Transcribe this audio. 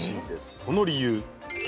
その理由。